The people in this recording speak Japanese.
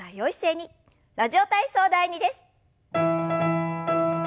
「ラジオ体操第２」です。